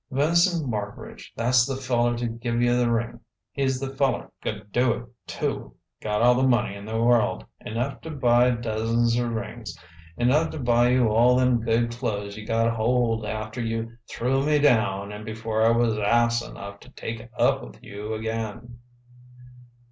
"Vincent Marbridge tha's the feller't give you the ring. He's the feller't could do it, too got all the money in the world enough to buy dozens'r rings enough to buy you all them good clothes you got hold of after you threw me down and before I was ass enough to take up with you again!